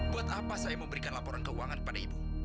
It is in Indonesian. buat apa saya memberikan laporan keuangan kepada ibu